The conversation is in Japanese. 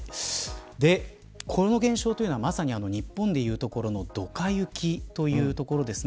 この現象というのはまさに日本で言うところのドカ雪というところですね。